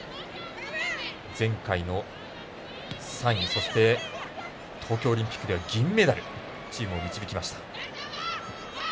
前回の３位、そして東京オリンピックでは銀メダルチームを導きました。